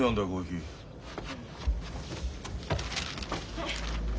はい。